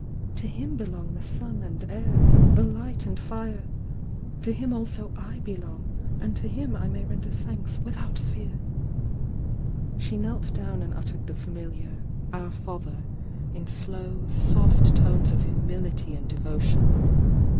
To Him belong the sun and air, ^e light and fire! — to Him also / belong, and to Him I may render thanks without fear." She knelt down and uttered the familiar "0\i< 814 THE YOUNG DIANA r Father" in slow, soft tones of humility and devo tion.